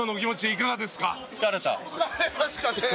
疲れましたね。